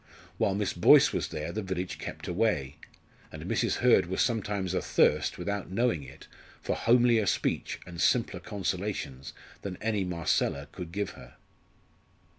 While Miss Boyce was there the village kept away; and Mrs. Hurd was sometimes athirst, without knowing it, for homelier speech and simpler consolations than any Marcella could give her.